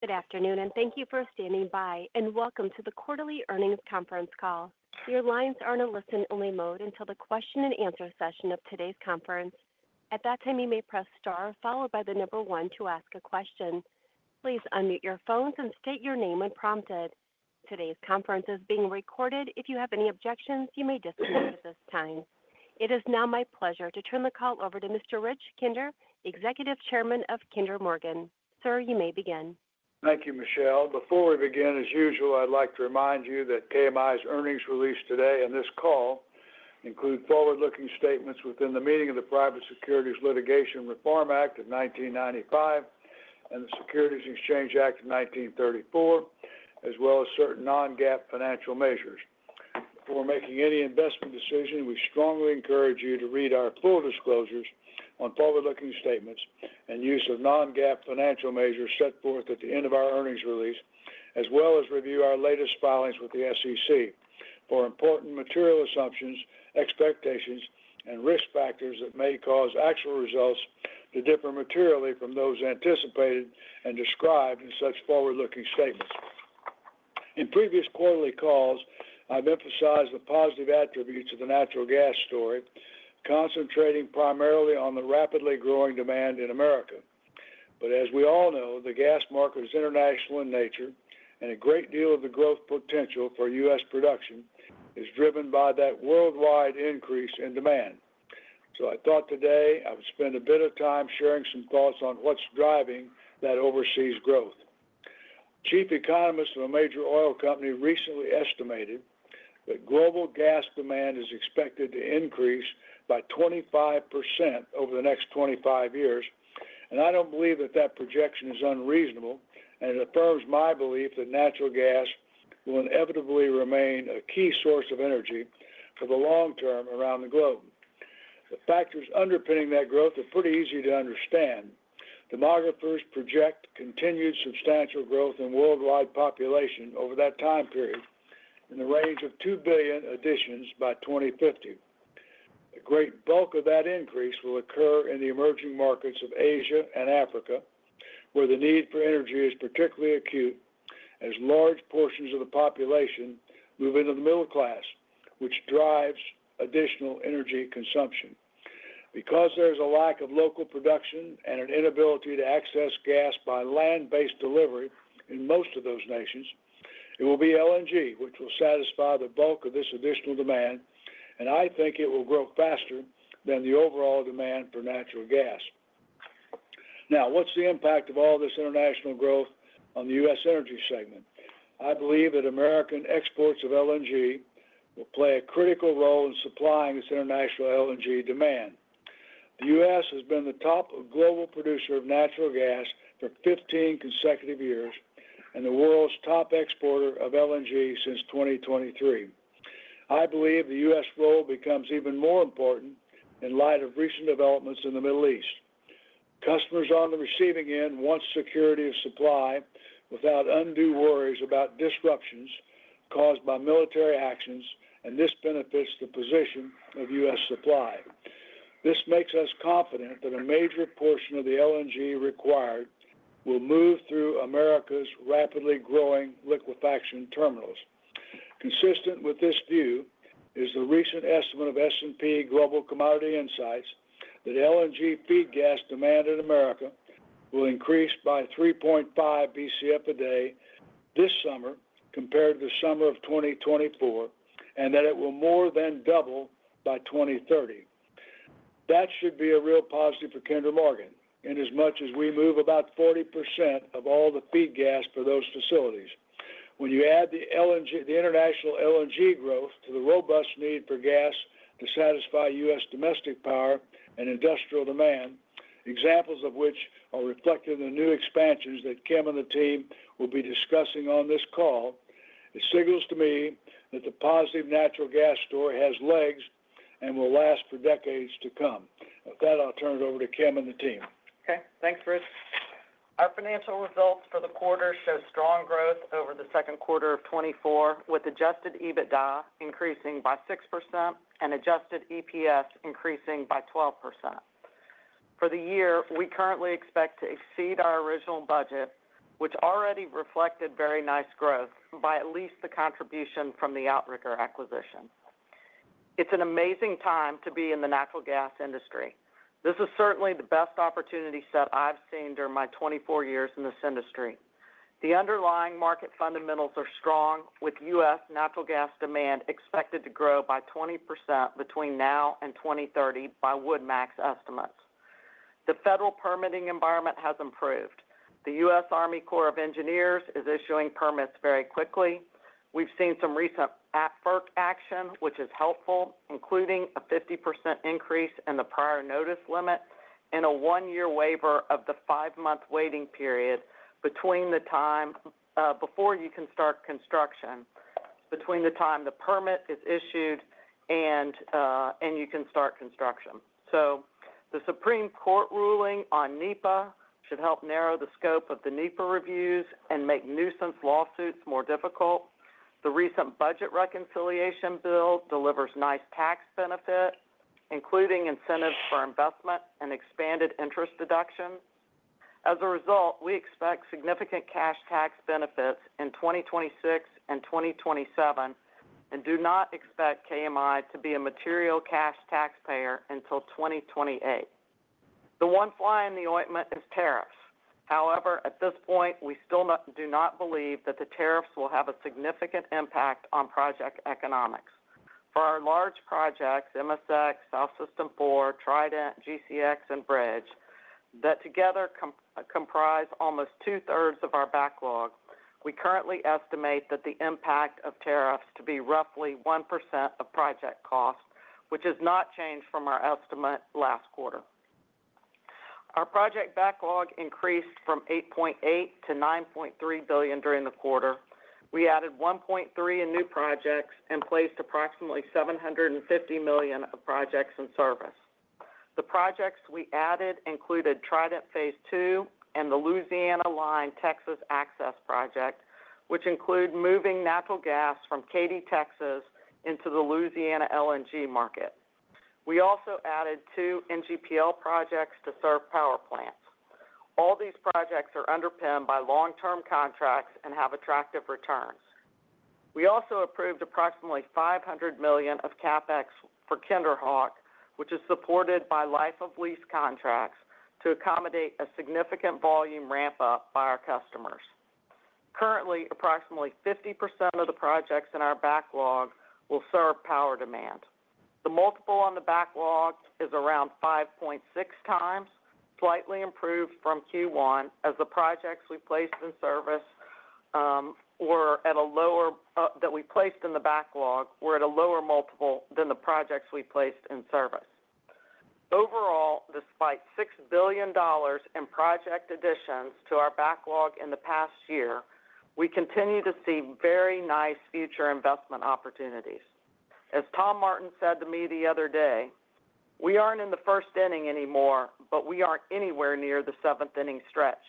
Good afternoon, and thank you for standing by. Welcome to the quarterly earnings conference call. Your lines are in a listen-only mode until the question-and-answer session of today's conference. At that time, you may press star followed by the number one to ask a question. Please unmute your phones and state your name when prompted. Today's conference is being recorded. If you have any objections, you may disconnect at this time. It is now my pleasure to turn the call over to Mr. Rich Kinder, Executive Chairman of Kinder Morgan. Sir, you may begin. Thank you, Michelle. Before we begin, as usual, I'd like to remind you that KMI's earnings release today and this call include forward-looking statements within the meaning of the Private Securities Litigation Reform Act of 1995 and the Securities Exchange Act of 1934, as well as certain non-GAAP Financial Measures. Before making any investment decision, we strongly encourage you to read our full disclosures on forward-looking statements and use of non-GAAP Financial Measures set forth at the end of our earnings release, as well as review our latest filings with the SEC for important material assumptions, expectations, and risk factors that may cause actual results to differ materially from those anticipated and described in such forward-looking statements. In previous quarterly calls, I've emphasized the positive attributes of the Natural Gas story, concentrating primarily on the rapidly growing demand in America. But as we all know, the gas market is international in nature, and a great deal of the growth potential for U.S. production is driven by that worldwide increase in demand. So I thought today I would spend a bit of time sharing some thoughts on what's driving that overseas growth. Chief Economist of a major oil company recently estimated that global gas demand is expected to increase by 25% over the next 25 years. And I don't believe that that projection is unreasonable, and it affirms my belief that Natural Gas will inevitably remain a key source of energy for the long term around the globe. The factors underpinning that growth are pretty easy to understand. Demographers project continued substantial growth in worldwide population over that time period in the range of 2 billion additions by 2050. A great bulk of that increase will occur in the emerging markets of Asia and Africa, where the need for energy is particularly acute as large portions of the population move into the middle class, which drives additional energy consumption. Because there is a lack of local production and an inability to access gas by land-based delivery in most of those nations, it will be LNG which will satisfy the bulk of this additional demand, and I think it will grow faster than the overall demand for Natural Gas. Now, what's the impact of all this international growth on the U.S. energy segment? I believe that American exports of LNG will play a critical role in supplying this international LNG demand. The U.S. has been the top global producer of Natural Gas for 15 consecutive years and the World's Top Exporter of LNG since 2023. I believe the U.S. role becomes even more important in light of recent developments in the Middle East. Customers on the receiving end want security of supply without undue worries about disruptions caused by military actions, and this benefits the position of U.S. supply. This makes us confident that a major portion of the LNG required will move through America's rapidly growing liquefaction terminals. Consistent with this view is the recent estimate of S&P Global Commodity Insights that LNG feed gas demand in America will increase by 3.5 Bcf a day this summer compared to the summer of 2024, and that it will more than double by 2030. That should be a real positive for Kinder Morgan inasmuch as we move about 40% of all the feed gas for those facilities. When you add the International LNG growth to the robust need for gas to satisfy U.S. domestic power and industrial demand, examples of which are reflected in the new expansions that Kim and the team will be discussing on this call. It signals to me that the positive Natural Gas story has legs and will last for decades to come. With that, I'll turn it over to Kim and the team. Okay. Thanks, Rich. Our financial results for the quarter show strong growth over the second quarter of 2024, with Adjusted EBITDA increasing by 6% and Adjusted EPS increasing by 12%. For the year, we currently expect to exceed our original budget, which already reflected very nice growth by at least the contribution from the Outrigger Acquisition. It's an amazing time to be in the Natural Gas Industry. This is certainly the best opportunity set I've seen during my 24 years in this industry. The underlying market fundamentals are strong, with U.S. Natural Gas demand expected to grow by 20% between now and 2030 by Wood Mackenzie estimates. The federal permitting environment has improved. The U.S. Army Corps of Engineers is issuing permits very quickly. We've seen some recent FERC action, which is helpful, including a 50% increase in the prior notice limit and a one-year waiver of the five-month waiting period before you can start construction between the time the permit is issued and you can start construction. So the Supreme Court Ruling on NEPA should help narrow the scope of the NEPA reviews and make nuisance lawsuits more difficult. The recent budget reconciliation bill delivers nice tax benefits, including incentives for investment and expanded interest deductions. As a result, we expect significant cash tax benefits in 2026 and 2027 and do not expect KMI to be a material cash taxpayer until 2028. The one fly in the ointment is tariffs. However, at this point, we still do not believe that the tariffs will have a significant impact on project economics. For our large projects, MSX, South System 4, Trident, GCX, and Bridge, that together comprise almost two-thirds of our backlog, we currently estimate that the impact of tariffs to be roughly 1% of project cost, which has not changed from our estimate last quarter. Our project backlog increased from $8.8 billion to $9.3 billion during the quarter. We added $1.3 billion in new projects and placed approximately $750 million of projects in service. The projects we added included Trident phase II and the Louisiana Line Texas Access Project, which include moving Natural Gas from Katy, Texas, into the Louisiana LNG market. We also added two NGPL projects to serve power plants. All these projects are underpinned by long-term contracts and have attractive returns. We also approved approximately $500 million of CapEx for KinderHawk, which is supported by life-of-lease contracts to accommodate a significant volume ramp-up by our customers. Currently, approximately 50% of the projects in our backlog will serve power demand. The multiple on the backlog is around 5.6 times, slightly improved from Q1, as the projects we placed in service were at a lower multiple than the projects we placed in the backlog. Overall, despite $6 billion in project additions to our backlog in the past year, we continue to see very nice future investment opportunities. As Tom Martin said to me the other day, "We aren't in the first inning anymore, but we aren't anywhere near the seventh-inning stretch."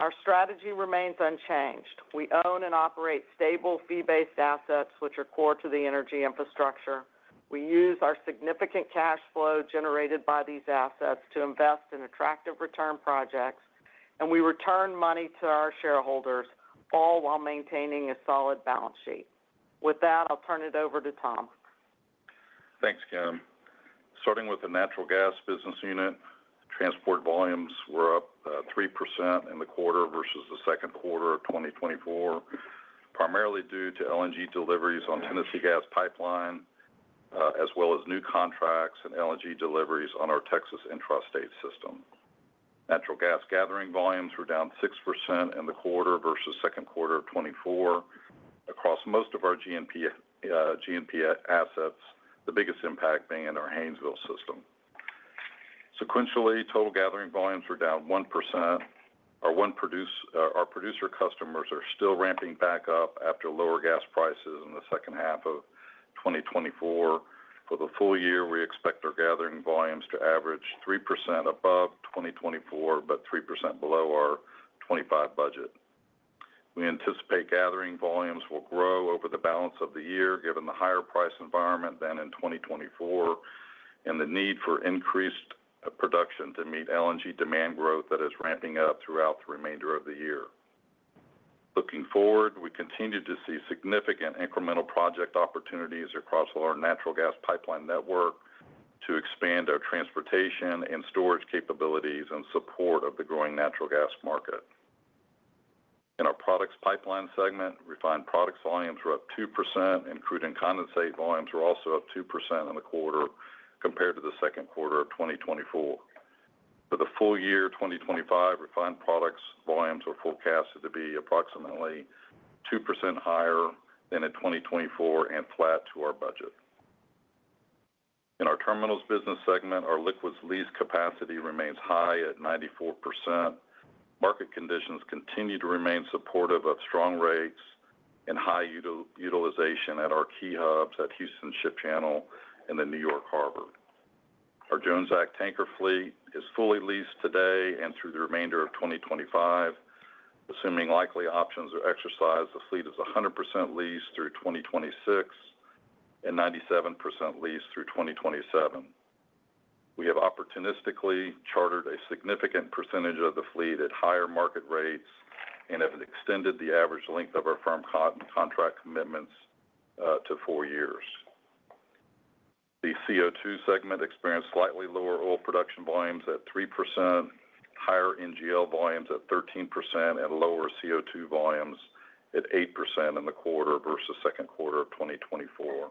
Our strategy remains unchanged. We own and operate stable fee-based assets, which are core to the energy infrastructure. We use our significant cash flow generated by these assets to invest in attractive return projects, and we return money to our shareholders, all while maintaining a solid balance sheet. With that, I'll turn it over to Tom. Thanks, Kim. Starting with the Natural Gas business unit, transport volumes were up 3% in the quarter versus the second quarter of 2024. Primarily due to LNG deliveries on Tennessee Gas Pipeline, as well as new contracts and LNG deliveries on our Texas Intrastate System. Natural gas gathering volumes were down 6% in the quarter versus the second quarter of 2024. Across most of our GNP assets, the biggest impact being in our Haynesville system. Sequentially, total gathering volumes were down 1%. Our producer customers are still ramping back up after lower gas prices in the second half of 2024. For the full year, we expect our gathering volumes to average 3% above 2024, but 3% below our 2025 budget. We anticipate gathering volumes will grow over the balance of the year, given the higher price environment than in 2024. And the need for increased production to meet LNG demand growth that is ramping up throughout the remainder of the year. Looking forward, we continue to see significant incremental project opportunities across our Natural Gas pipeline network to expand our transportation and storage capabilities in support of the growing Natural Gas market. In our products pipeline segment, refined products volumes were up 2%, and crude and condensate volumes were also up 2% in the quarter compared to the second quarter of 2024. For the full year 2025, refined products volumes are forecasted to be approximately 2% higher than in 2024 and flat to our budget. In our terminals business segment, our liquids lease capacity remains high at 94%. Market conditions continue to remain supportive of strong rates and high utilization at our key hubs at Houston Ship Channel and the New York Harbor. Our Jones Act tanker fleet is fully leased today and through the remainder of 2025. Assuming likely options are exercised, the fleet is 100% leased through 2026. And 97% leased through 2027. We have opportunistically chartered a significant percentage of the fleet at higher market rates and have extended the average length of our firm contract commitments to four years. The CO2 segment experienced slightly lower oil production volumes at 3%, higher NGL volumes at 13%, and lower CO2 volumes at 8% in the quarter versus the second quarter of 2024.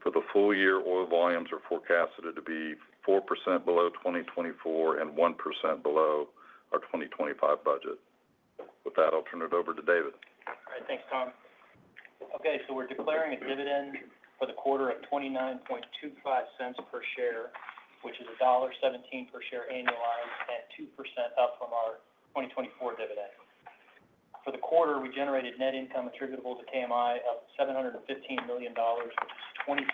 For the full year, oil volumes are forecasted to be 4% below 2024 and 1% below our 2025 budget. With that, I'll turn it over to David. All right. Thanks, Tom. Okay. So we're declaring a dividend for the quarter of $0.2925 per share, which is $1.17 per share annualized and 2% up from our 2024 dividend. For the quarter, we generated net income attributable to KMI of $715 million, which is 24%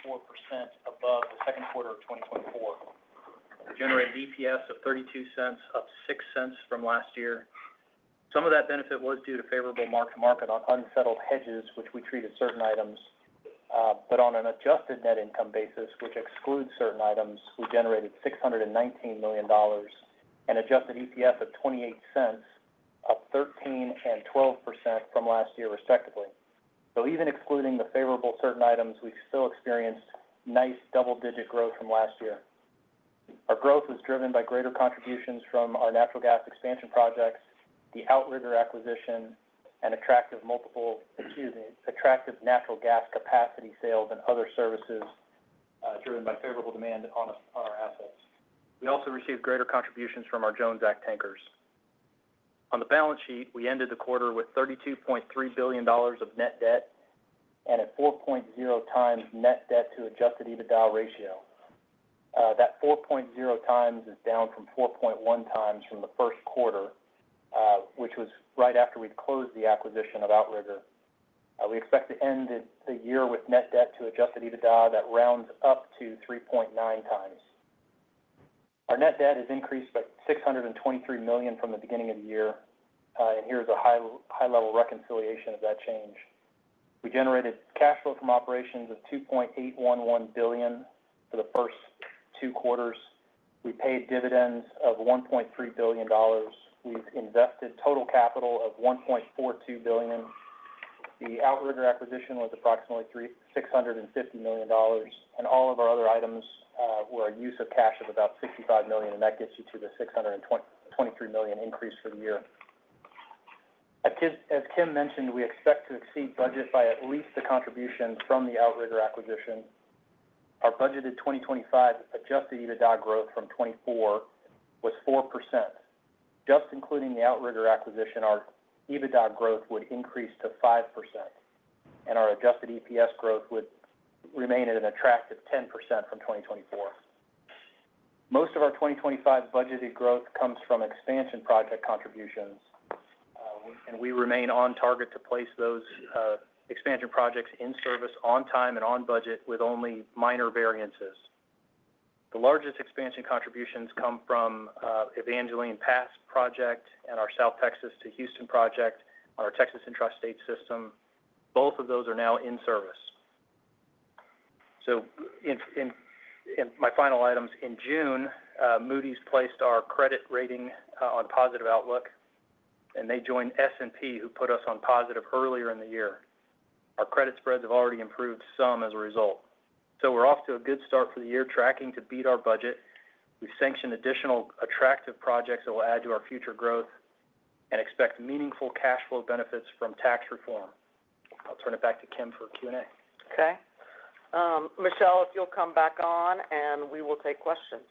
above the second quarter of 2024. We generated EPS of $0.32, up 6 cents from last year. Some of that benefit was due to favorable mark-to-market on unsettled hedges, which we treated certain items. But on an Adjusted Net Income Basis, which excludes certain items, we generated $619 million, and Adjusted EPS of $0.28, up 13% and 12% from last year, respectively. So even excluding the favorable certain items, we still experienced nice double-digit growth from last year. Our growth was driven by greater contributions from our Natural Gas expansion projects, the Outrigger Acquisition, and attractive multiple excuse me, attractive Natural Gas capacity sales and other services. Driven by favorable demand on our assets. We also received greater contributions from our Jones Act tankers. On the balance sheet, we ended the quarter with $32.3 billion of net debt and a 4.0 times net debt to Adjusted EBITDA Ratio. That 4.0 times is down from 4.1 times from the first quarter, which was right after we closed the acquisition of Outrigger. We expect to end the year with net debt to Adjusted EBITDA that rounds up to 3.9 times. Our net debt has increased by $623 million from the beginning of the year, and here's a high-level reconciliation of that change. We generated cash flow from operations of $2.811 billion for the first two quarters. We paid dividends of $1.3 billion. We've invested total capital of $1.42 billion. The Outrigger acquisition was approximately $650 million, and all of our other items were a use of cash of about $65 million, and that gets you to the $623 million increase for the year. As Kim mentioned, we expect to exceed budget by at least the contribution from the Outrigger acquisition. Our budgeted 2025 Adjusted EBITDA Growth from 2024 was 4%. Just including the Outrigger acquisition, our EBITDA Growth would increase to 5%, and our Adjusted EPS growth would remain at an attractive 10% from 2024. Most of our 2025 budgeted growth comes from expansion project contributions, and we remain on target to place those expansion projects in service on time and on budget with only minor variances. The largest expansion contributions come from Evangeline Pass project and our South Texas to Houston project on our Texas Intrastate System. Both of those are now in service. So. In my final items, in June, Moody's placed our credit rating on positive outlook, and they joined S&P, who put us on positive earlier in the year. Our credit spreads have already improved some as a result. So we're off to a good start for the year, tracking to beat our budget. We've sanctioned additional attractive projects that will add to our future growth and expect meaningful cash flow benefits from Tax Reform. I'll turn it back to Kim for Q&A. Okay. Michels, if you'll come back on, and we will take questions.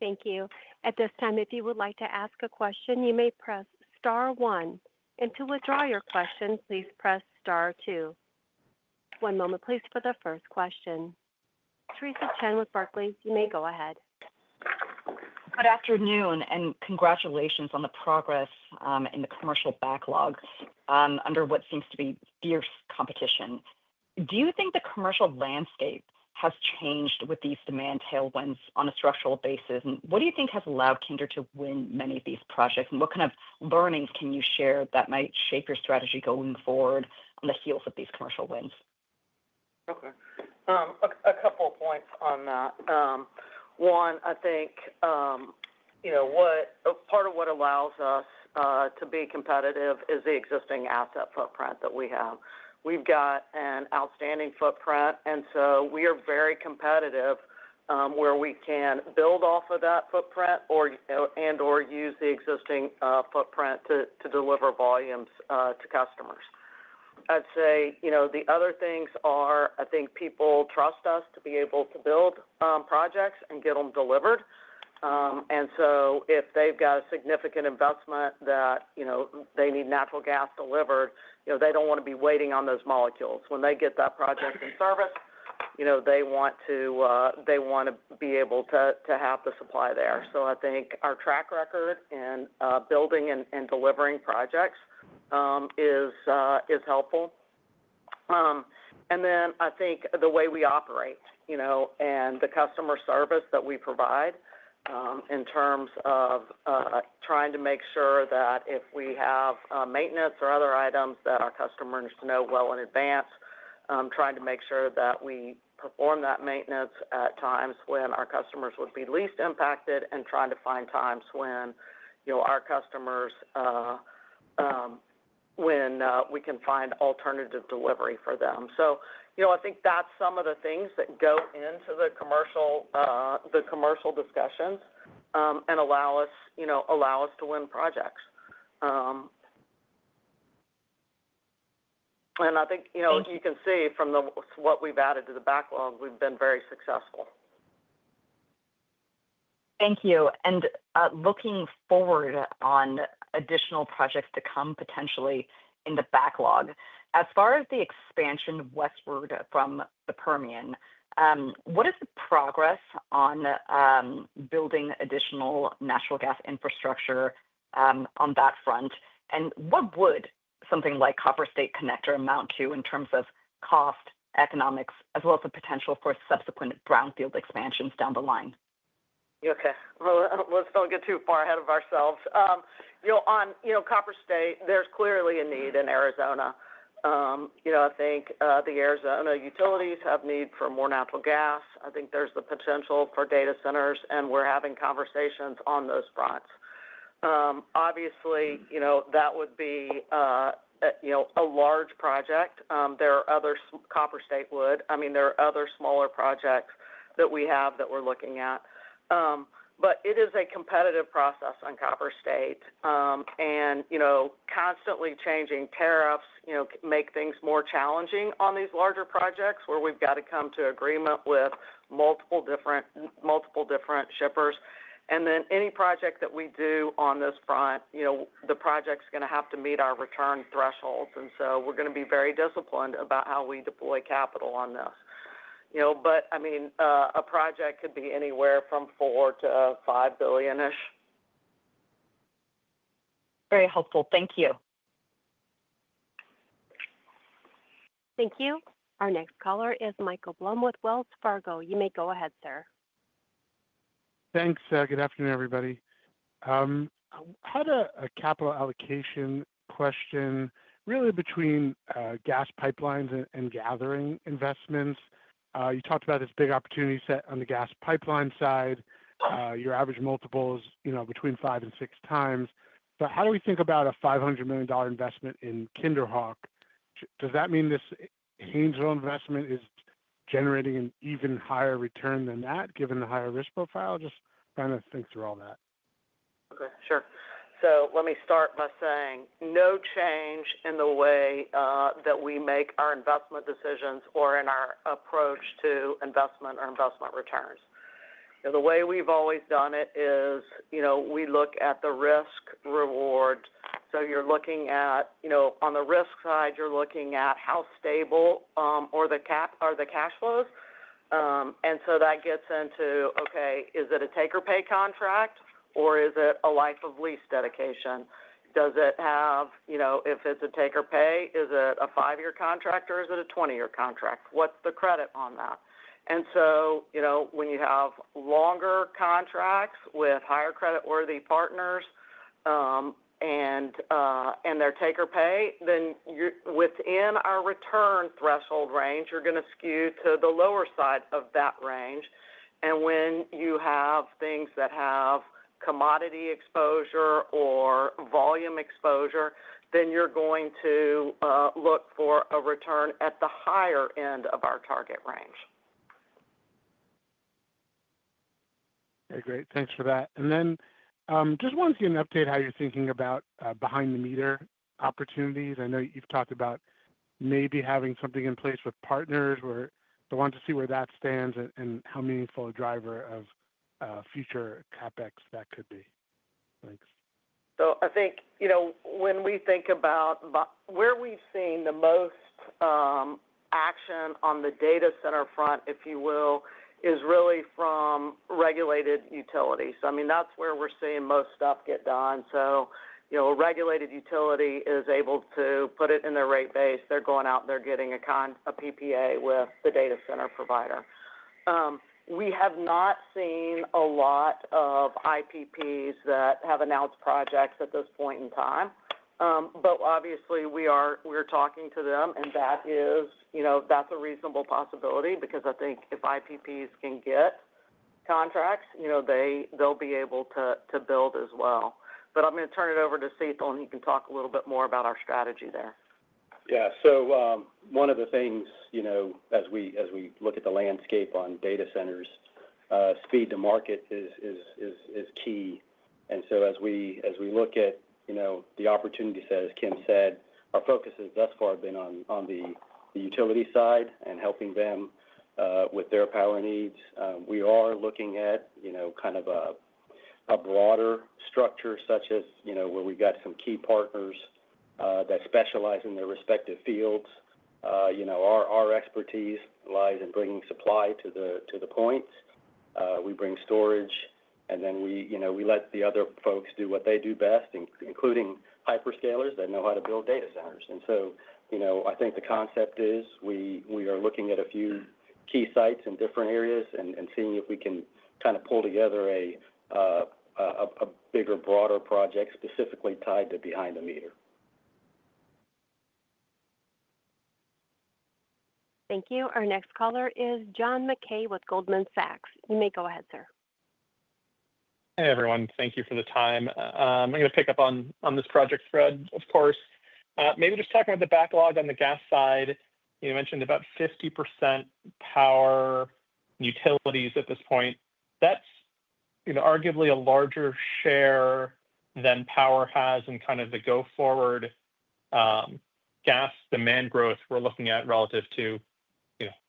Thank you. At this time, if you would like to ask a question, you may press star one. And to withdraw your question, please press Star two. One moment, please, for the first question. Theresa Chen with Barclays, you may go ahead. Good afternoon, and congratulations on the progress in the commercial backlog under what seems to be fierce competition. Do you think the commercial landscape has changed with these demand tailwinds on a structural basis? And what do you think has allowed Kinder to win many of these projects? And what kind of learnings can you share that might shape your strategy going forward on the heels of these commercial wins? Okay. A couple of points on that. One, I think part of what allows us to be competitive is the existing asset footprint that we have. We've got an outstanding footprint, and so we are very competitive where we can build off of that footprint and/or use the existing footprint to deliver volumes to customers. I'd say the other things are, I think, people trust us to be able to build projects and get them delivered. And so if they've got a significant investment that they need Natural Gas delivered, they don't want to be waiting on those molecules. When they get that project in service, they want to be able to have the supply there. So I think our track record in building and delivering projects is helpful. And then I think the way we operate and the customer service that we provide in terms of trying to make sure that if we have maintenance or other items that our customers know well in advance, trying to make sure that we perform that maintenance at times when our customers would be least impacted and trying to find times when we can find alternative delivery for them. So I think that's some of the things that go into the commercial discussions and allow us to win projects. And I think you can see from what we've added to the backlog, we've been very successful. Thank you. And looking forward on additional projects to come potentially in the backlog, as far as the expansion westward from the Permian, what is the progress on building additional Natural Gas infrastructure on that front? And what would something like Copper State Connector amount to in terms of cost, economics, as well as the potential for subsequent brownfield expansions down the line? Okay. Well, let's don't get too far ahead of ourselves. On Copper State, there's clearly a need in Arizona. I think the Arizona utilities have need for more Natural Gas. I think there's the potential for data centers, and we're having conversations on those fronts. Obviously, that would be a large project. I mean, there are other smaller projects that we have that we're looking at. But it is a competitive process on Copper State. And constantly changing tariffs make things more challenging on these larger projects where we've got to come to agreement with multiple different shippers. And then any project that we do on this front, the project's going to have to meet our return thresholds. And so we're going to be very disciplined about how we deploy capital on this. But I mean, a project could be anywhere from $4-$5 billion-ish. Very helpful. Thank you. Thank you. Our next caller is Michael Blum with Wells Fargo. You may go ahead, sir. Thanks. Good afternoon, everybody. I had a capital allocation question, really, between gas pipelines and gathering investments. You talked about this big opportunity set on the gas pipeline side. Your average multiple is between five and six times. But how do we think about a $500 million investment in KinderHawk? Does that mean this Haynesville investment is generating an even higher return than that, given the higher risk profile? Just kind of think through all that. Okay. Sure. So let me start by saying no change in the way that we make our investment decisions or in our approach to investment or investment returns. The way we've always done it is we look at the risk-reward, so you're looking at, on the risk side, you're looking at how stable are the cash flows, and so that gets into, okay, is it a take-or-pay contract, or is it a life-of-lease dedication? Does it have, if it's a take-or-pay, is it a five-year contract, or is it a 20-year contract? What's the credit on that, and so when you have longer contracts with higher credit-worthy partners and they're take-or-pay, then within our return threshold range, you're going to skew to the lower side of that range, and when you have things that have commodity exposure or volume exposure, then you're going to look for a return at the higher end of our target range. Okay. Great. Thanks for that, and then just wanted to get an update on how you're thinking about behind-the-meter opportunities. I know you've talked about maybe having something in place with partners. I wanted to see where that stands and how meaningful a driver of future CapEx that could be? Thanks. So I think when we think about where we've seen the most action on the data center front, if you will, is really from regulated utilities. So I mean, that's where we're seeing most stuff get done. So a regulated utility is able to put it in their rate base. They're going out, and they're getting a PPA with the data center provider. We have not seen a lot of IPPs that have announced projects at this point in time. But obviously, we're talking to them, and that's a reasonable possibility because I think if IPPs can get contracts, they'll be able to build as well. But I'm going to turn it over to Sital, and he can talk a little bit more about our strategy there. Yeah. So one of the things, as we look at the landscape on data centers, speed to market is key. And so as we look at the opportunity sets, Kim said, our focus has thus far been on the utility side and helping them with their power needs. We are looking at kind of a broader structure, such as where we've got some key partners that specialize in their respective fields. Our expertise lies in bringing supply to the points. We bring storage, and then we let the other folks do what they do best, including hyperscalers that know how to build data centers. And so I think the concept is we are looking at a few key sites in different areas and seeing if we can kind of pull together a bigger, broader project specifically tied to behind-the-meter. Thank you. Our next caller is John Mackay with Goldman Sachs. You may go ahead, sir. Hey, everyone. Thank you for the time. I'm going to pick up on this project thread, of course. Maybe just talking about the backlog on the gas side, you mentioned about 50%. Power utilities at this point. That's arguably a larger share than power has in kind of the go-forward. Gas demand growth we're looking at relative to.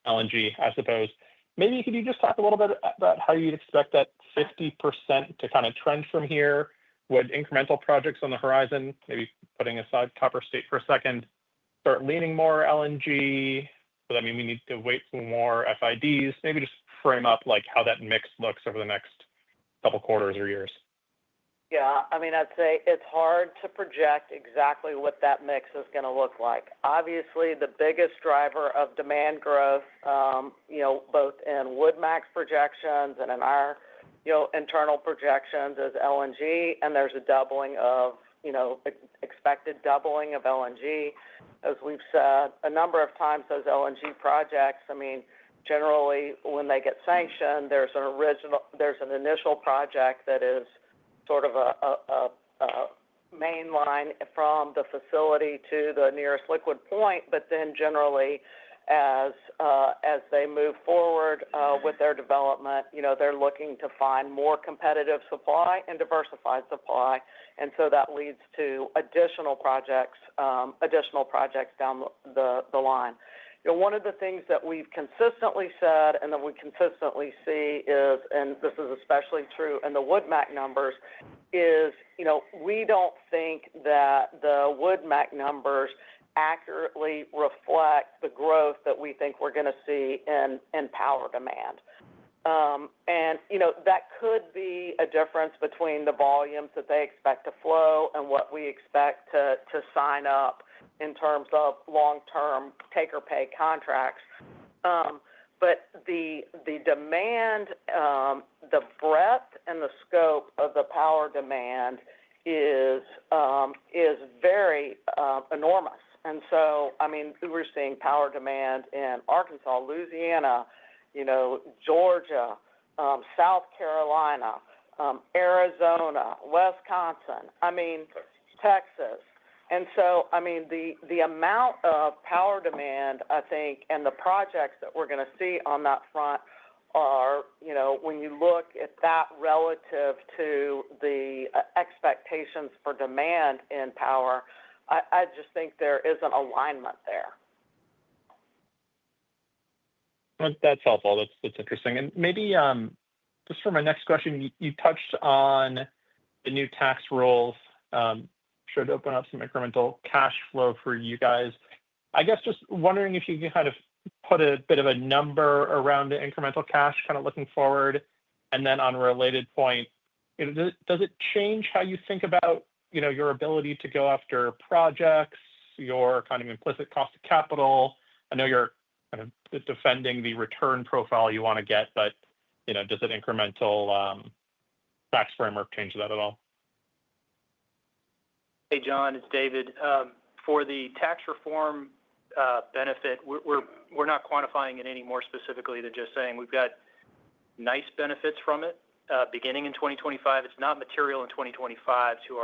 LNG, I suppose. Maybe could you just talk a little bit about how you'd expect that 50% to kind of trend from here with incremental projects on the horizon, maybe putting aside Copper State for a second, start leaning more LNG? Does that mean we need to wait for more FIDs? Maybe just frame up how that mix looks over the next couple of quarters or years. Yeah. I mean, I'd say it's hard to project exactly what that mix is going to look like. Obviously, the biggest driver of demand growth, both in Wood Mackenzie projections and in our internal projections, is LNG. And there's a doubling of expected doubling of LNG, as we've said a number of times. Those LNG projects, I mean, generally, when they get sanctioned, there's an initial project that is sort of a main line from the facility to the nearest liquid point. But then generally, as they move forward with their development, they're looking to find more competitive supply and diversified supply. And so that leads to additional projects down the line. One of the things that we've consistently said and that we consistently see is, and this is especially true in the Wood Mackenzie numbers, is we don't think that the Wood Mackenzie numbers accurately reflect the growth that we think we're going to see in power demand. And that could be a difference between the volumes that they expect to flow and what we expect to sign up in terms of long-term Take-or-Pay Contracts. But the demand. The breadth, and the scope of the power demand is very enormous. And so, I mean, we're seeing power demand in Arkansas, Louisiana, Georgia, South Carolina, Arizona, Wisconsin, I mean, Texas. And so, I mean, the amount of power demand, I think, and the projects that we're going to see on that front are when you look at that relative to the expectations for demand in power, I just think there is an alignment there. That's helpful. That's interesting. And maybe, just for my next question, you touched on the new tax rules. Should open up some incremental cash flow for you guys. I guess just wondering if you can kind of put a bit of a number around the incremental cash, kind of looking forward. And then on a related point, does it change how you think about your ability to go after projects, your kind of implicit cost of capital? I know you're kind of defending the return profile you want to get, but does the incremental Tax Framework change that at all? Hey, John, it's David. For the Tax Reform Benefit, we're not quantifying it any more specifically than just saying we've got nice benefits from it beginning in 2025. It's not material in 2025 to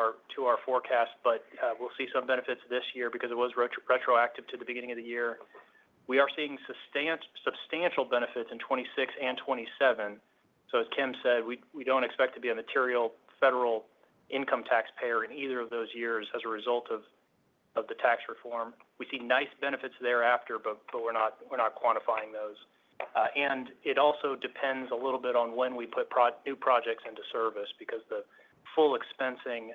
our forecast, but we'll see some benefits this year because it was retroactive to the beginning of the year. We are seeing substantial benefits in 2026 and 2027. So as Kim said, we don't expect to be a material federal income taxpayer in either of those years as a result of the Tax Reform. We see nice benefits thereafter, but we're not quantifying those, and it also depends a little bit on when we put new projects into service because the full expensing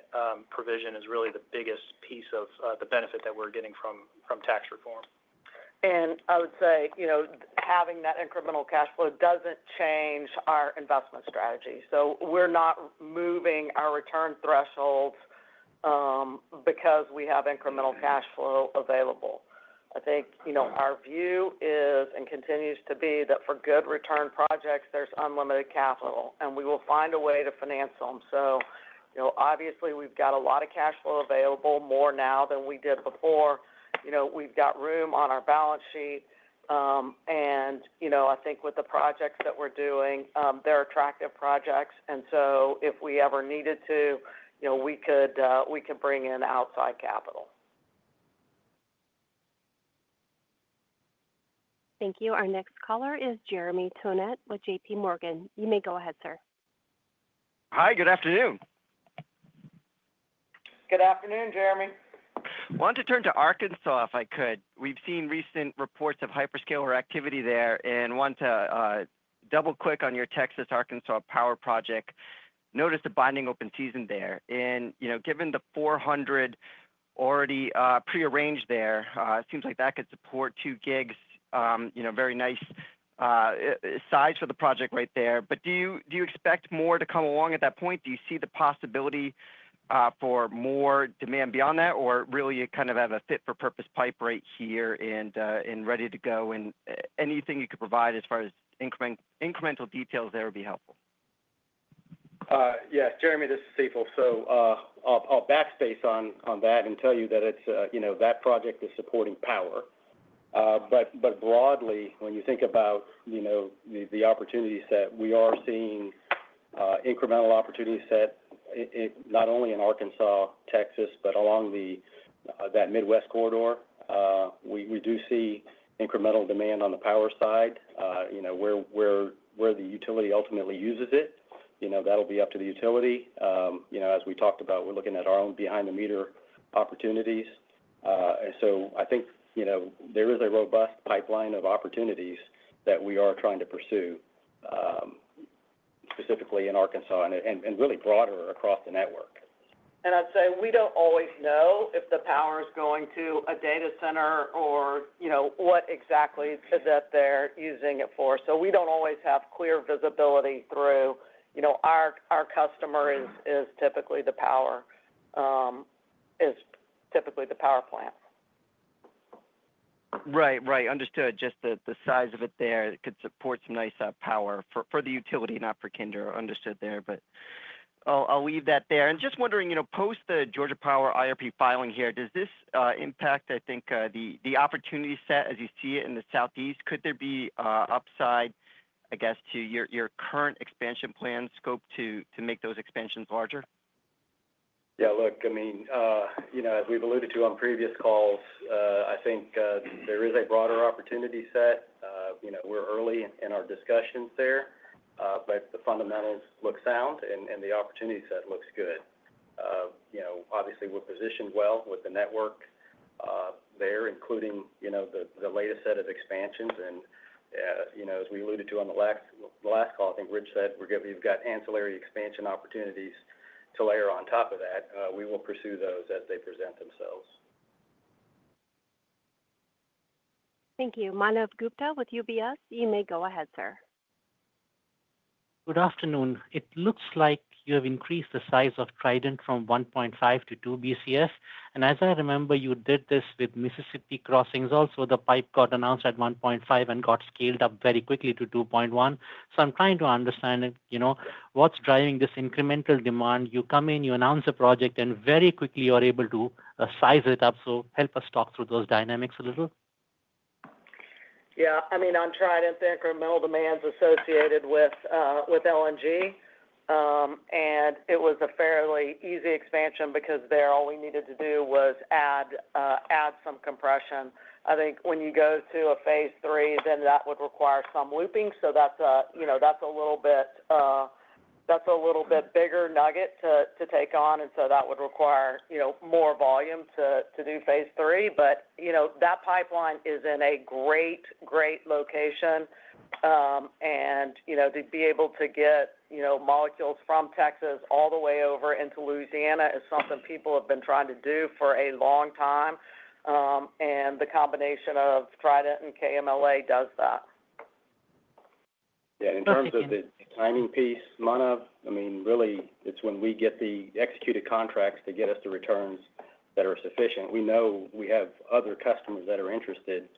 provision is really the biggest piece of the benefit that we're getting from Tax Reform. And I would say, having that incremental cash flow doesn't change our investment strategy. So we're not moving our return thresholds. Because we have incremental cash flow available. I think our view is, and continues to be, that for good return projects, there's unlimited capital, and we will find a way to finance them. So obviously, we've got a lot of cash flow available, more now than we did before. We've got room on our balance sheet. And I think with the projects that we're doing, they're attractive projects. And so if we ever needed to, we could bring in outside capital. Thank you. Our next caller is Jeremy Tonet with JPMorgan. You may go ahead, sir. Hi. Good afternoon. Good afternoon, Jeremy. Wanted to turn to Arkansas if I could. We've seen recent reports of hyperscaler activity there. And I want to double-click on your Texas, Arkansas power project. Noticed a binding open season there. And given the 400 already prearranged there, it seems like that could support two gigs, very nice. Size for the project right there. But do you expect more to come along at that point? Do you see the possibility for more demand beyond that, or really you kind of have a fit-for-purpose pipe right here and ready to go? And anything you could provide as far as incremental details there would be helpful. Yeah. Jeremy, this is Sital. So I'll backspace on that and tell you that that project is supporting power. But broadly, when you think about the opportunities that we are seeing, incremental opportunities set not only in Arkansas, Texas, but along that Midwest Corridor. We do see incremental demand on the power side. Where the utility ultimately uses it, that'll be up to the utility. As we talked about, we're looking at our own behind-the-meter opportunities. And so I think there is a robust pipeline of opportunities that we are trying to pursue, specifically in Arkansas and really broader across the network. I'd say we don't always know if the power is going to a data center or what exactly that they're using it for. So we don't always have clear visibility through. Our customer is typically the power plant. Right. Right. Understood. Just the size of it there could support some nice power for the utility, not for Kinder. Understood there. But. I'll leave that there. And just wondering, post the Georgia Power IRP filing here, does this impact, I think, the opportunity set as you see it in the Southeast? Could there be upside, I guess, to your current expansion plan scope to make those expansions larger? Yeah. Look, I mean, as we've alluded to on previous calls, I think there is a broader opportunity set. We're early in our discussions there. But the fundamentals look sound, and the opportunity set looks good. Obviously, we're positioned well with the network there, including the latest set of expansions. As we alluded to on the last call, I think Rich said we've got ancillary expansion opportunities to layer on top of that. We will pursue those as they present themselves. Thank you. Manav Gupta with UBS, you may go ahead, sir. Good afternoon. It looks like you have increased the size of Trident from 1.5 to 2 Bcf. And as I remember, you did this with Mississippi Crossing. Also, the pipe got announced at 1.5 and got scaled up very quickly to 2.1. So I'm trying to understand what's driving this incremental demand. You come in, you announce a project, and very quickly, you're able to size it up. So help us talk through those dynamics a little. Yeah. I mean, on Trident, the incremental demand's associated with LNG. And it was a fairly easy expansion because there, all we needed to do was add some compression. I think when you go to a phase III, then that would require some looping. So that's a little bit. That's a little bit bigger nugget to take on. And so that would require more volume to do phase III. But that pipeline is in a great, great location. And to be able to get molecules from Texas all the way over into Louisiana is something people have been trying to do for a long time. And the combination of Trident and KMLA does that. Yeah. In terms of the timing piece, Manav, I mean, really, it's when we get the executed contracts to get us the returns that are sufficient. We know we have other customers that are interested.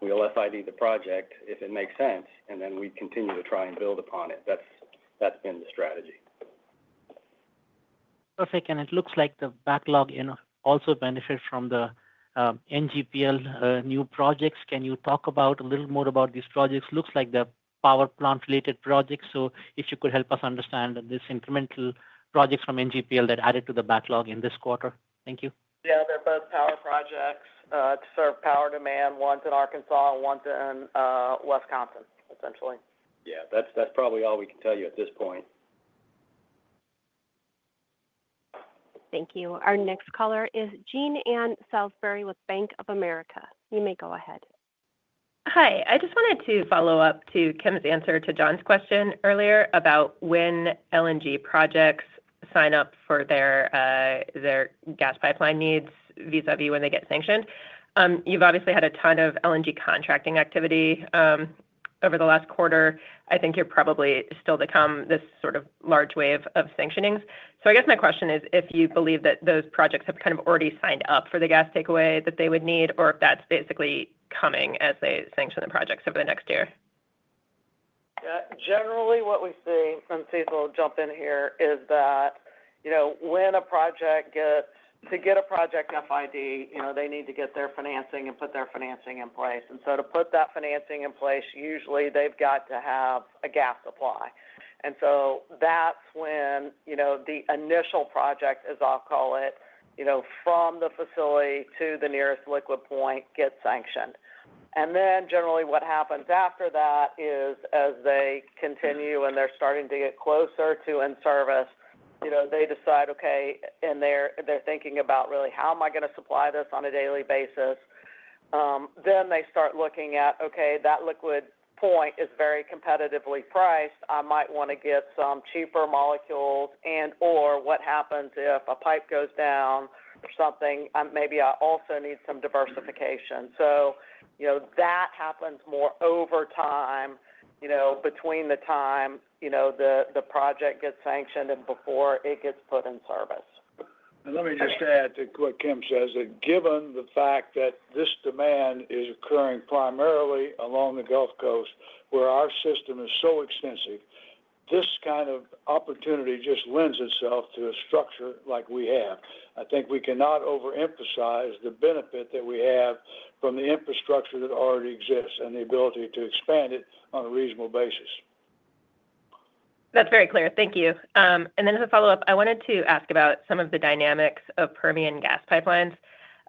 We'll FID the project if it makes sense, and then we continue to try and build upon it. That's been the strategy. Perfect. And it looks like the backlog also benefits from the NGPL new projects. Can you talk a little more about these projects? Looks like the power plant-related projects. So if you could help us understand these incremental projects from NGPL that added to the backlog in this quarter. Thank you. Yeah. They're both power projects to serve power demand, one's in Arkansas and one's in Wisconsin, essentially. Yeah. That's probably all we can tell you at this point. Thank you. Our next caller is Jean Ann Salisbury with Bank of America. You may go ahead. Hi. I just wanted to follow up to Kim's answer to John's question earlier about when LNG projects sign up for their gas pipeline needs vis-à-vis when they get sanctioned. You've obviously had a ton of LNG contracting activity over the last quarter. I think you're probably still to come this sort of large wave of sanctionings. So I guess my question is, if you believe that those projects have kind of already signed up for the gas takeaway that they would need, or if that's basically coming as they sanction the projects over the next year? Yeah. Generally, what we see from Sital, jump in here, is that. When a project gets to FID, they need to get their financing and put their financing in place. And so to put that financing in place, usually, they've got to have a gas supply. And so that's when the initial project, as I'll call it, from the facility to the nearest liquid point, gets sanctioned. And then generally, what happens after that is, as they continue and they're starting to get closer to in service, they decide, "Okay." And they're thinking about, "Really, how am I going to supply this on a daily basis?" Then they start looking at, "Okay, that liquid point is very competitively priced. I might want to get some cheaper molecules." And/or what happens if a pipe goes down or something? Maybe I also need some diversification. So that happens more over time, between the time the project gets sanctioned and before it gets put in service. Let me just add to what Kim says. Given the fact that this demand is occurring primarily along the Gulf Coast, where our system is so extensive, this kind of opportunity just lends itself to a structure like we have. I think we cannot overemphasize the benefit that we have from the infrastructure that already exists and the ability to expand it on a reasonable basis. That's very clear. Thank you. And then as a follow-up, I wanted to ask about some of the dynamics of Permian Gas Pipelines.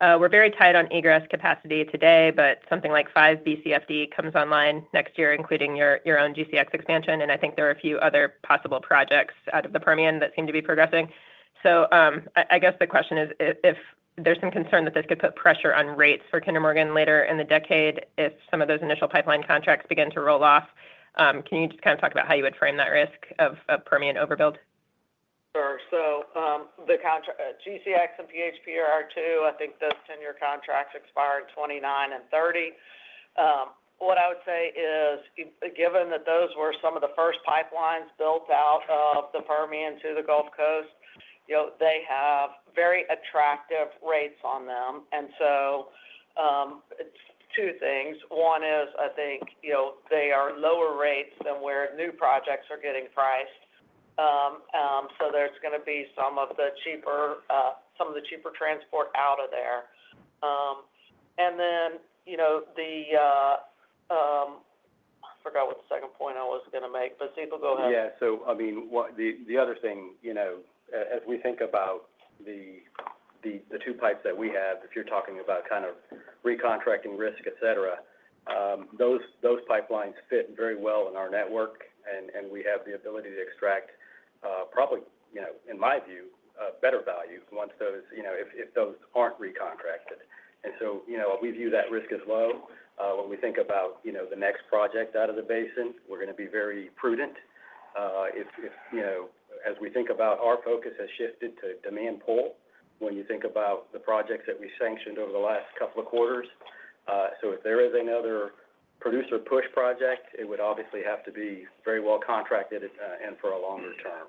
We're very tied on Egress Capacity today, but something like 5 Bcf/d comes online next year, including your own GCX expansion. And I think there are a few other possible projects out of the Permian that seem to be progressing. So I guess the question is, if there's some concern that this could put pressure on rates for Kinder Morgan later in the decade, if some of those initial pipeline contracts begin to roll off, can you just kind of talk about how you would frame that risk of Permian Overbuild? Sure. So GCX and PHP, I think those 10-year contracts expire at 2029 and 2030. What I would say is, given that those were some of the first pipelines built out of the Permian to the Gulf Coast, they have very attractive rates on them. And so. two things. One is, I think they are lower rates than where new projects are getting priced. So there's going to be some of the cheaper transport out of there. And then. I forgot what the second point I was going to make, but Sital, go ahead. Yeah. So I mean, the other thing. As we think about the two pipes that we have, if you're talking about kind of recontracting risk, etc., those pipelines fit very well in our network. And we have the ability to extract, probably, in my view, better value once those if those aren't recontracted. And so we view that risk as low. When we think about the next project out of the Basin, we're going to be very prudent. As we think about our focus has shifted to demand pull, when you think about the projects that we sanctioned over the last couple of quarters, so if there is another producer push project, it would obviously have to be very well contracted and for a longer term.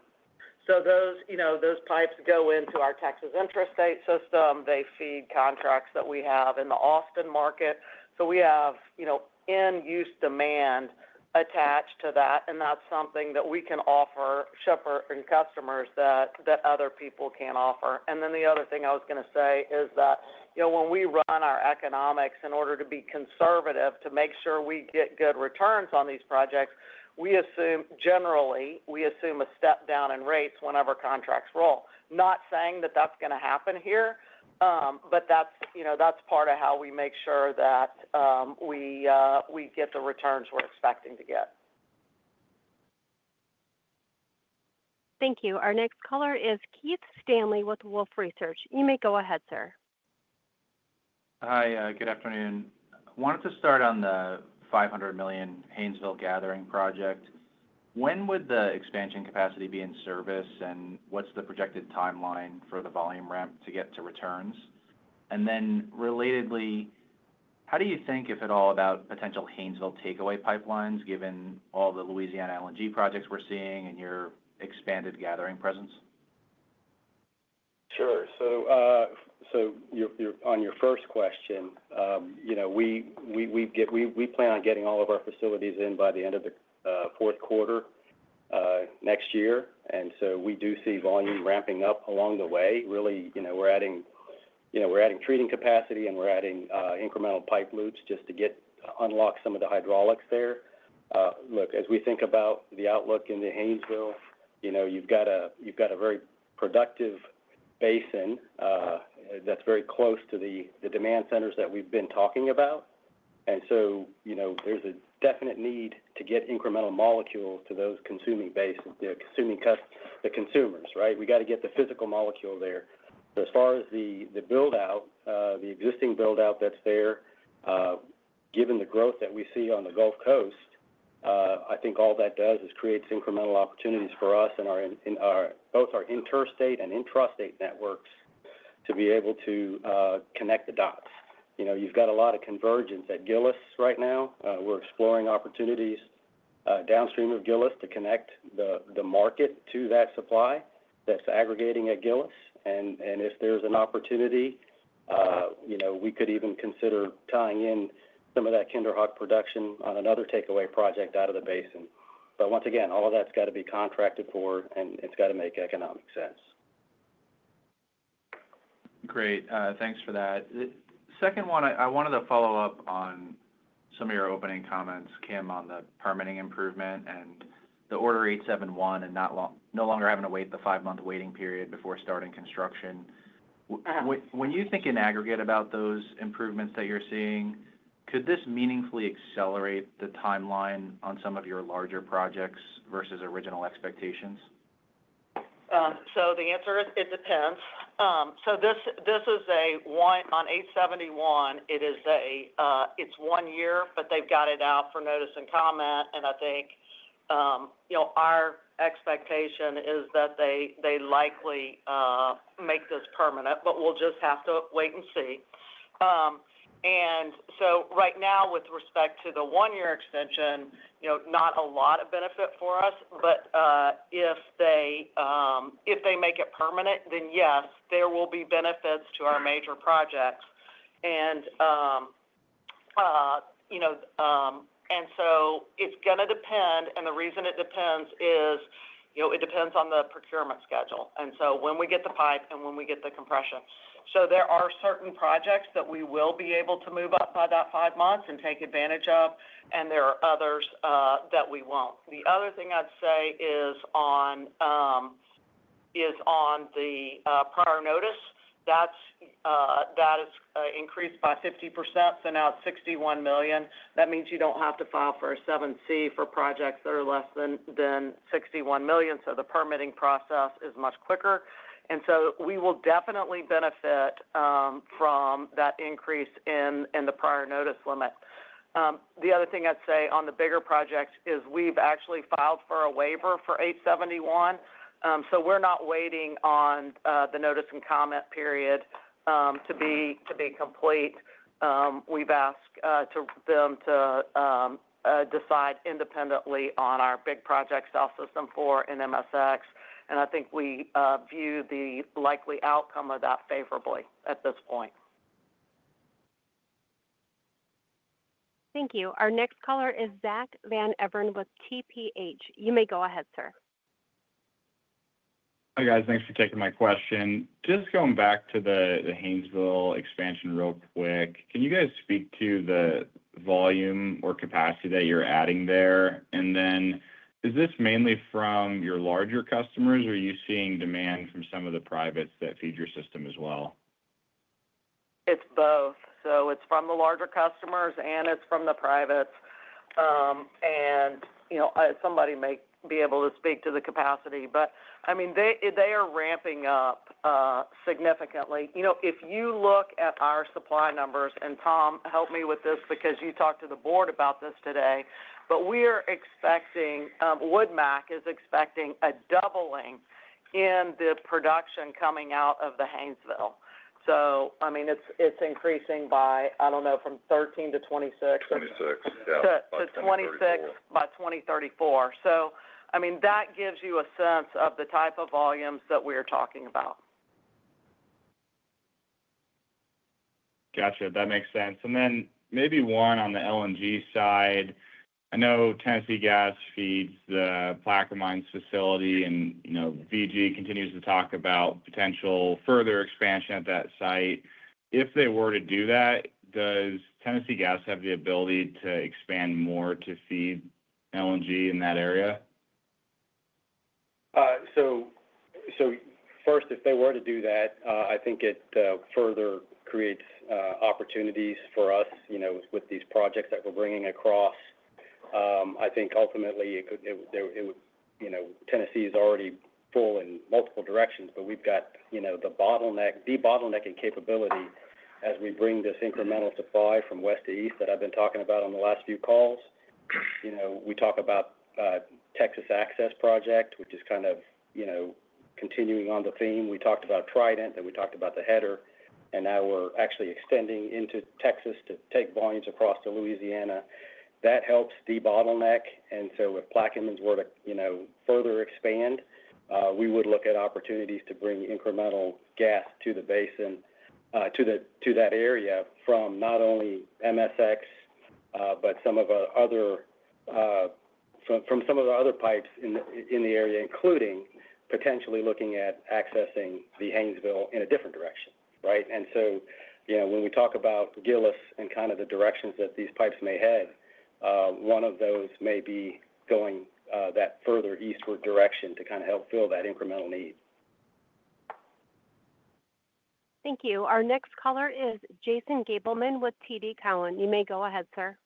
So those pipes go into our Texas Intrastate System. They feed contracts that we have in the Austin market. So we have end-use demand attached to that. And that's something that we can offer shippers and customers that other people can't offer. And then the other thing I was going to say is that when we run our economics, in order to be conservative, to make sure we get good returns on these projects, we assume, generally, we assume a step down in rates whenever contracts roll. Not saying that that's going to happen here, but that's part of how we make sure that we get the returns we're expecting to get. Thank you. Our next caller is Keith Stanley with Wolfe Research. You may go ahead, sir. Hi. Good afternoon. Wanted to start on the $500 million Haynesville gathering project. When would the expansion capacity be in service? And what's the projected timeline for the volume ramp to get to returns? And then relatedly. How do you think, if at all, about potential Haynesville takeaway pipelines, given all the Louisiana LNG projects we're seeing and your expanded gathering presence? Sure. So. On your first question. We plan on getting all of our facilities in by the end of the fourth quarter. Next year. And so we do see volume ramping up along the way. Really, we're adding treating capacity, and we're adding incremental pipe loops just to unlock some of the hydraulics there. Look, as we think about the outlook in the Haynesville, you've got a very productive Basin. That's very close to the demand centers that we've been talking about. And so there's a definite need to get incremental molecules to those consuming Basins, the consumers, right? We got to get the physical molecule there. But as far as the buildout, the existing buildout that's there, given the growth that we see on the Gulf Coast. I think all that does is creates incremental opportunities for us and both our Interstate and Intrastate networks to be able to connect the dots. You've got a lot of convergence at Gillis right now. We're exploring opportunities downstream of Gillis to connect the market to that supply that's aggregating at Gillis. And if there's an opportunity. We could even consider tying in some of that KinderHawk Production on another takeaway project out of the Basin. But once again, all of that's got to be contracted for, and it's got to make economic sense. Great. Thanks for that. Second one, I wanted to follow up on. Some of your opening comments, Kim, on the permitting improvement and the Order 871 and no longer having to wait the five-month waiting period before starting construction. When you think in aggregate about those improvements that you're seeing, could this meaningfully accelerate the timeline on some of your larger projects versus original expectations? So the answer is it depends. So this is Order 871. It's one year, but they've got it out for notice and comment. And I think our expectation is that they likely make this permanent, but we'll just have to wait and see. And so right now, with respect to the one-year extension, not a lot of benefit for us. But if they make it permanent, then yes, there will be benefits to our major projects. And so it's going to depend. And the reason it depends is it depends on the procurement schedule. And so when we get the pipe and when we get the compression. So there are certain projects that we will be able to move up by that five months and take advantage of. And there are others that we won't. The other thing I'd say is on the prior notice, that is increased by 50%. So now it's $61 million. That means you don't have to file for a 7C for projects that are less than $61 million. So the permitting process is much quicker. And so we will definitely benefit from that increase in the prior notice limit. The other thing I'd say on the bigger projects is we've actually filed for a waiver for Order 871. So we're not waiting on the notice and comment period to be complete. We've asked them to decide independently on our big project South System 4 and MSX. And I think we view the likely outcome of that favorably at this point. Thank you. Our next caller is Zach Van Everen with TPH. You may go ahead, sir. Hi, guys. Thanks for taking my question. Just going back to the Haynesville Expansion real quick. Can you guys speak to the volume or capacity that you're adding there? And then is this mainly from your larger customers, or are you seeing demand from some of the privates that feed your system as well? It's both. So it's from the larger customers, and it's from the privates. Somebody may be able to speak to the capacity. But I mean, they are ramping up significantly. If you look at our supply numbers - and Tom, help me with this because you talked to the board about this today - but Wood Mackenzie is expecting a doubling in the production coming out of the Haynesville. So I mean, it's increasing by, I don't know, from 13-26. 26. Yeah. To 26 by 2034. So I mean, that gives you a sense of the type of volumes that we're talking about. Gotcha. That makes sense. And then maybe one on the LNG side. I know Tennessee Gas feeds the Plaquemines Facility, and VG continues to talk about potential further expansion at that site. If they were to do that, does Tennessee Gas have the ability to expand more to feed LNG in that area? So. First, if they were to do that, I think it further creates opportunities for us with these projects that we're bringing across. I think ultimately. Tennessee is already full in multiple directions, but we've got the bottleneck, debottlenecking capability as we bring this incremental supply from west to east that I've been talking about on the last few calls. We talk about Texas Access project, which is kind of continuing on the theme. We talked about Trident, and we talked about the header. And now we're actually extending into Texas to take volumes across to Louisiana. That helps Debottleneck. And so if Plaquemines were to further expand, we would look at opportunities to bring incremental gas to the Basin, to that area from not only MSX, but some of the other pipes in the area, including potentially looking at accessing the Haynesville in a different direction, right? And so when we talk about Gillis and kind of the directions that these pipes may head, one of those may be going that further eastward direction to kind of help fill that incremental need. Thank you. Our next caller is Jason Gabelman with TD Cowen. You may go ahead, sir.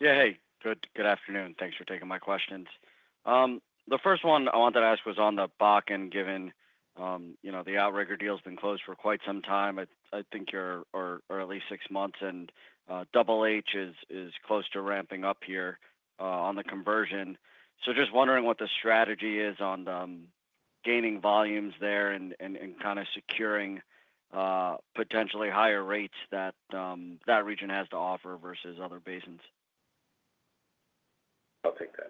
Yeah. Hey. Good afternoon. Thanks for taking my questions. The first one I wanted to ask was on the Bakken, given the Outrigger deal has been closed for quite some time, I think, or at least six months. And Double H is close to ramping up here on the conversion. So just wondering what the strategy is on gaining volumes there and kind of securing potentially higher rates that that region has to offer versus other Basins. I'll take that.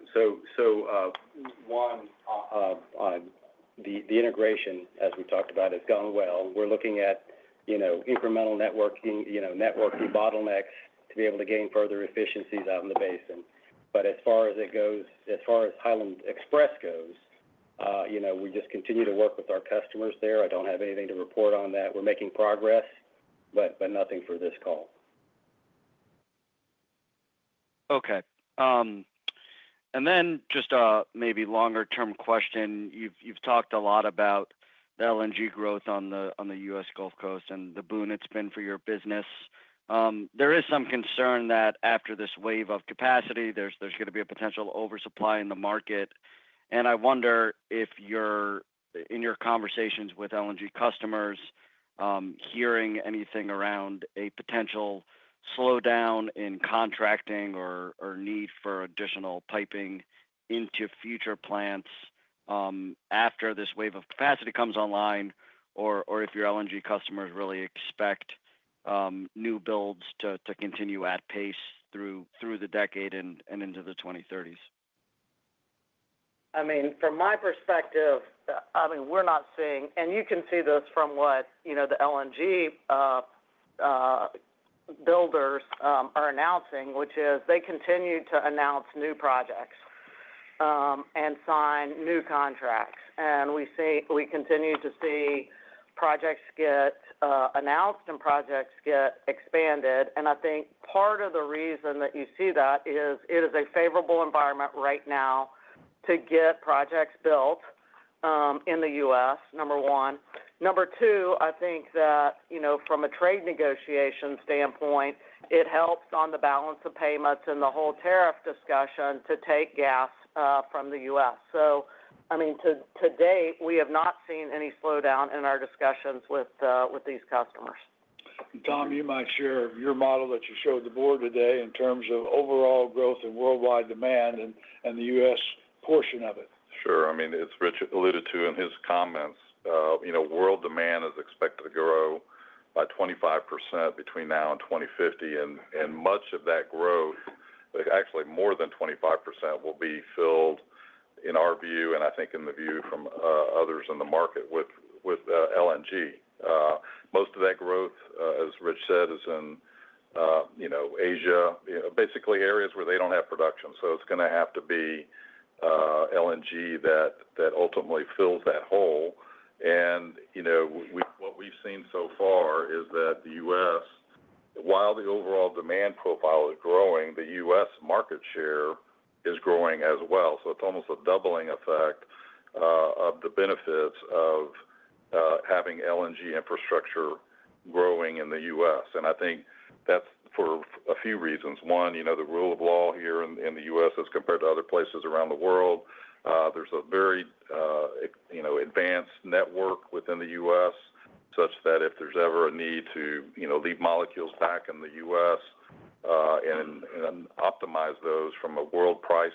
The integration, as we talked about, has gone well. We're looking at incremental networking bottlenecks to be able to gain further efficiencies out in the Basin. But as far as it goes, as far as Highland Express goes. We just continue to work with our customers there. I don't have anything to report on that. We're making progress, but nothing for this call. Okay. And then just a maybe longer-term question. You've talked a lot about the LNG growth on the U.S. Gulf Coast and the boon it's been for your business. There is some concern that after this wave of capacity, there's going to be a potential oversupply in the market. And I wonder if you're, in your conversations with LNG customers, hearing anything around a potential slowdown in contracting or need for additional piping into future plants after this wave of capacity comes online, or if your LNG customers really expect new builds to continue at pace through the decade and into the 2030s? I mean, from my perspective, I mean, we're not seeing, and you can see this from what the LNG builders are announcing, which is they continue to announce new projects. And sign new contracts. And we continue to see projects get announced and projects get expanded. And I think part of the reason that you see that is it is a favorable environment right now to get projects built. In the U.S., number one. Number two, I think that from a Trade Negotiation Standpoint, it helps on the balance of payments and the whole tariff discussion to take gas from the U.S. So I mean, to date, we have not seen any slowdown in our discussions with these customers. Tom, you might share your model that you showed the board today in terms of overall growth and worldwide demand and the U.S. portion of it. Sure. I mean, as Rich alluded to in his comments, world demand is expected to grow by 25% between now and 2050. And much of that growth, actually more than 25%, will be filled, in our view, and I think in the view from others in the market with LNG. Most of that growth, as Rich said, is in Asia, basically areas where they don't have production. So it's going to have to be LNG that ultimately fills that hole. And what we've seen so far is that the U.S. While the overall demand profile is growing, the U.S. Market Share is growing as well. So it's almost a doubling effect of the benefits of having LNG Infrastructure growing in the U.S. And I think that's for a few reasons. One, the rule of law here in the U.S., as compared to other places around the world. There's a very advanced network within the U.S. such that if there's ever a need to leave molecules back in the U.S. and optimize those from a world price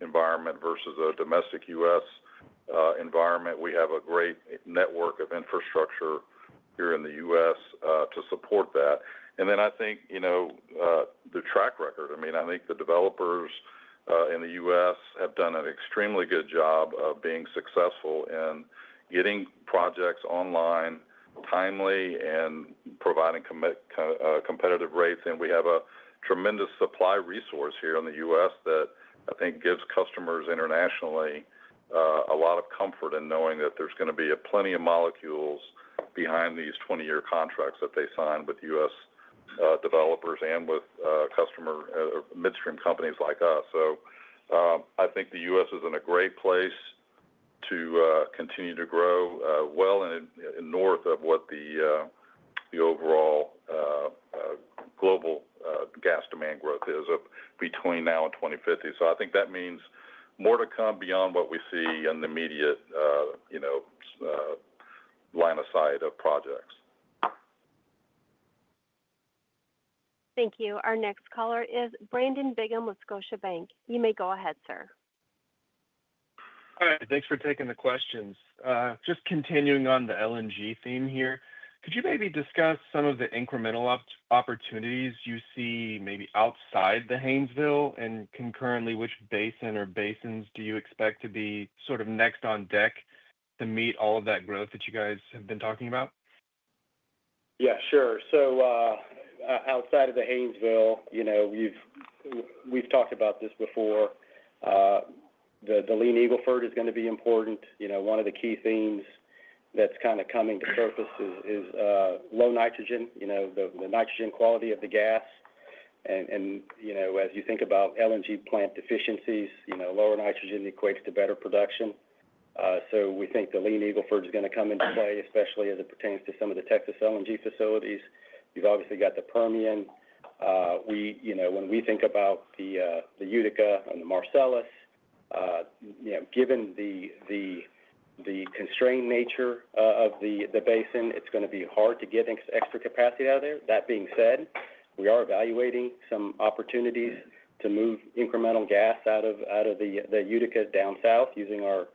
environment versus a domestic U.S. environment, we have a great network of infrastructure here in the U.S. to support that. And then I think the track record. I mean, I think the developers in the U.S. have done an extremely good job of being successful in getting projects online timely and providing competitive rates. And we have a tremendous supply resource here in the U.S. that I think gives customers internationally a lot of comfort in knowing that there's going to be plenty of molecules behind these 20-year contracts that they sign with U.S. developers and with customer midstream companies like us. So I think the U.S. is in a great place to continue to grow well and north of what the overall global gas demand growth is between now and 2050. So I think that means more to come beyond what we see in the immediate line of sight of projects. Thank you. Our next caller is Brandon Bingham with Scotiabank. You may go ahead, sir. All right. Thanks for taking the questions. Just continuing on the LNG theme here, could you maybe discuss some of the incremental opportunities you see maybe outside the Haynesville and concurrently, which Basin or Basins do you expect to be sort of next on deck to meet all of that growth that you guys have been talking about? Yeah, sure. So. Outside of the Haynesville. We've talked about this before. The Eagle Ford is going to be important. One of the key themes that's kind of coming to surface is low Nitrogen, the Nitrogen quality of the gas. And as you think about LNG Plant Deficiencies, lower Nitrogen equates to better production. So we think the Eagle Ford is going to come into play, especially as it pertains to some of the Texas LNG facilities. You've obviously got the Permian. When we think about the Utica and the Marcellus. Given the constrained nature of the Basin, it's going to be hard to get extra capacity out of there. That being said, we are evaluating some opportunities to move incremental gas out of the Utica down South using our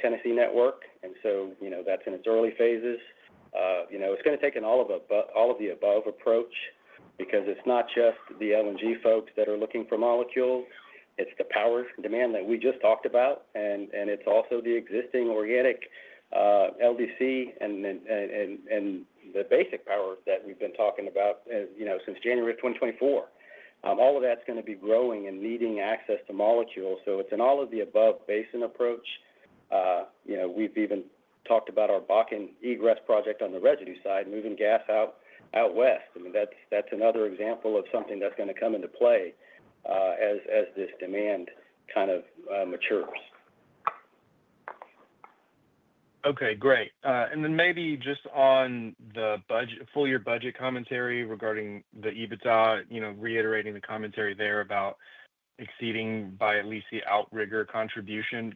Tennessee network. And so that's in its early phases. It's going to take an all of the above approach because it's not just the LNG folks that are looking for molecules. It's the power demand that we just talked about. And it's also the existing organic LDC and the basic power that we've been talking about since January of 2024. All of that's going to be growing and needing access to molecules. So it's an all of the above Basin approach. We've even talked about our Bakken egress project on the residue side, moving gas out west. I mean, that's another example of something that's going to come into play. As this demand kind of matures. Okay. Great. And then maybe just on the full year budget commentary regarding the EBITDA, reiterating the commentary there about exceeding by at least the Outrigger contribution,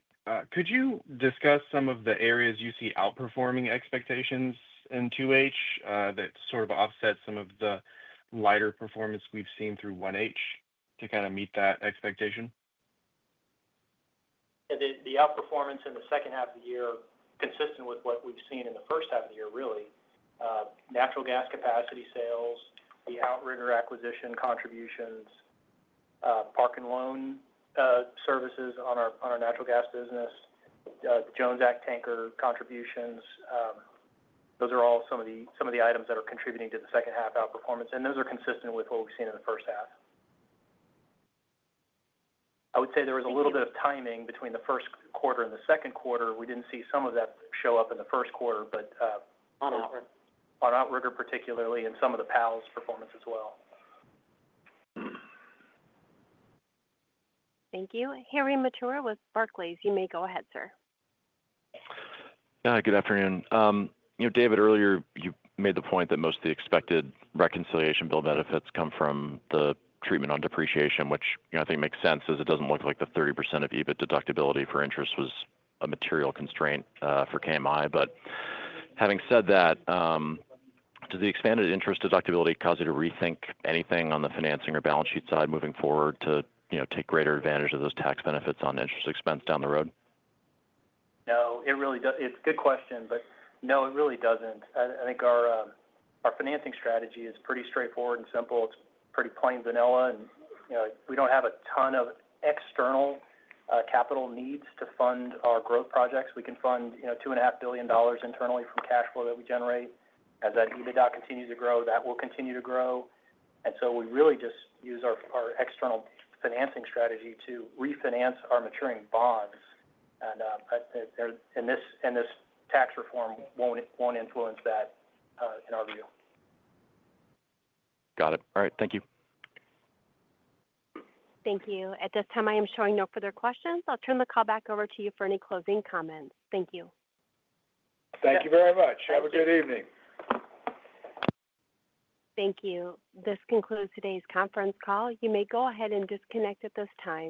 could you discuss some of the areas you see outperforming expectations in 2H that sort of offset some of the lighter performance we've seen through 1H to kind of meet that expectation? Yeah. The outperformance in the second half of the year, consistent with what we've seen in the first half of the year, really. Natural Gas Capacity sales, the Outrigger Acquisition contributions, parking and loan services on our Natural Gas business. The Jones Act tanker contributions. Those are all some of the items that are contributing to the second half outperformance. And those are consistent with what we've seen in the first half. I would say there was a little bit of timing between the first quarter and the second quarter. We didn't see some of that show up in the first quarter, but. On Outrigger. On Outrigger particularly, and some of the PAL's performance as well. Thank you. Harry Mateer with Barclays. You may go ahead, sir. Hi. Good afternoon. David, earlier you made the point that most of the expected reconciliation bill benefits come from the treatment on depreciation, which I think makes sense as it doesn't look like the 30% of EBITDA deductibility for interest was a material constraint for KMI. But having said that. Does the expanded interest deductibility cause you to rethink anything on the financing or balance sheet side moving forward to take greater advantage of those tax benefits on interest expense down the road? No. It's a good question, but no, it really doesn't. I think our financing strategy is pretty straightforward and simple. It's pretty plain vanilla. And we don't have a ton of external capital needs to fund our growth projects. We can fund $2.5 billion internally from cash flow that we generate. As that EBITDA continues to grow, that will continue to grow. And so we really just use our external financing strategy to refinance our maturing bonds. And this tax reform won't influence that in our view. Got it. All right. Thank you. Thank you. At this time, I am showing no further questions. I'll turn the call back over to you for any closing comments. Thank you. Thank you very much. Have a good evening. Thank you. This concludes today's conference call. You may go ahead and disconnect at this time.